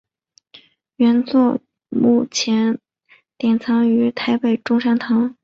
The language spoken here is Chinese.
原作目前典藏于台北中山堂。